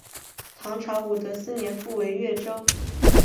唐朝武德四年复为越州。